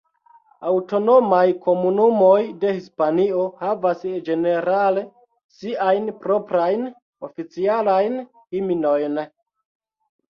Aŭtonomaj komunumoj de Hispanio havas ĝenerale siajn proprajn oficialajn himnojn.